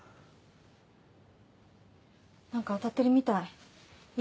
なんか当たってるみたい１